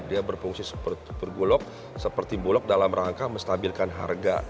dia berfungsi bergulok seperti bulog dalam rangka menstabilkan harga